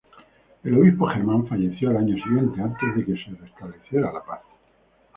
El obispo Germán falleció al año siguiente, antes de que se restableciera la paz.